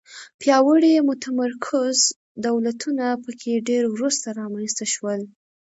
پیاوړي متمرکز دولتونه په کې ډېر وروسته رامنځته شول.